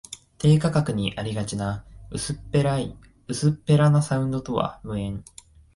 低価格にありがちな薄っぺらなサウンドとは無縁